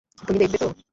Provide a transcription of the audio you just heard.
তুমি দেখবে তো?